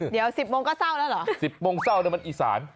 เดี๋ยว๑๐โมงก็เศร้าแล้วเหรอ๑๐โมงเศร้าเนี่ยมันอีสาน